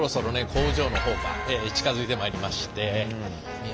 工場の方が近づいてまいりまして。